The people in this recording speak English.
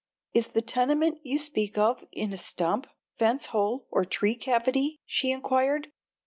"Is the tenement you speak of in a stump, fence hole, or tree cavity?" she inquired.